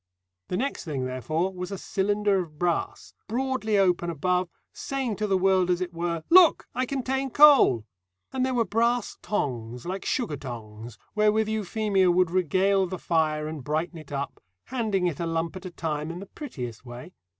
The next thing, therefore, was a cylinder of brass, broadly open above, saying to the world, as it were, "Look! I contain coal." And there were brass tongs like sugar tongs wherewith Euphemia would regale the fire and brighten it up, handing it a lump at a time in the prettiest way.